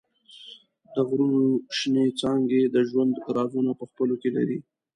د غرونو شنېڅانګې د ژوند رازونه په خپلو کې لري.